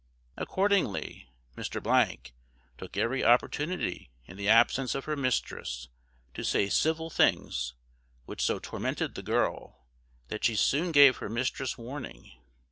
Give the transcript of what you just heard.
Accordingly, Mr took every opportunity in the absence of her mistress to say civil things, which so tormented the girl, that she soon gave her mistress warning.